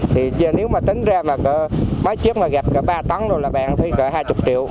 thì nếu mà tính ra mấy chiếc mà gạch cả ba tấn rồi là bạn phải cỡ hai mươi triệu